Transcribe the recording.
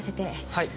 はい。